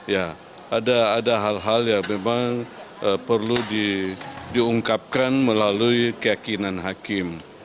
ya ada hal hal yang memang perlu diungkapkan melalui keyakinan hakim